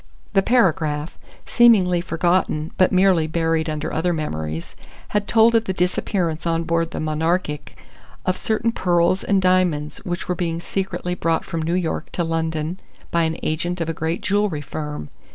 The paragraph, seemingly forgotten but merely buried under other memories, had told of the disappearance on board the Monarchic of certain pearls and diamonds which were being secretly brought from New York to London by an agent of a great jewellery firm.